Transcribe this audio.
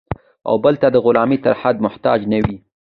او بل ته د غلامۍ تر حده محتاج نه وي.